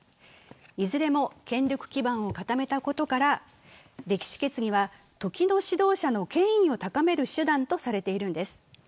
いずれも権力基盤を固めたことから、歴史決議は時の指導者の権威を高める手段とされているんです。